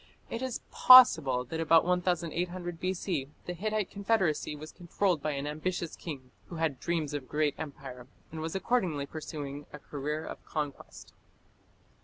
It is possible that about 1800 B.C. the Hittite confederacy was controlled by an ambitious king who had dreams of a great empire, and was accordingly pursuing a career of conquest.